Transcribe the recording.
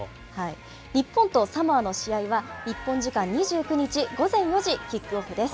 日本とサモアの試合は、日本時間２９日午前４時キックオフです。